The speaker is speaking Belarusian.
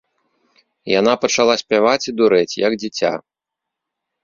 Яна пачала спяваць і дурэць, як дзіця.